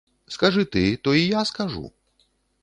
Скажы ты, то і я скажу!